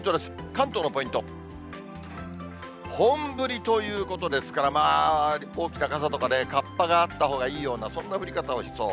関東のポイント、本降りということですから、まあ大きな傘とかね、かっぱがあったほうがいいような、そんな降り方をしそう。